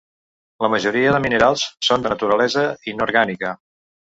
La majoria de minerals són de naturalesa inorgànica.